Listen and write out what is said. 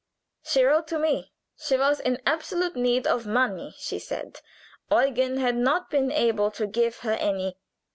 She wrote to me. She was in absolute need of money, she said; Eugen had not been able to give her any.